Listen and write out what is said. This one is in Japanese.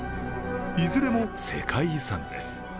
いずれも世界遺産です。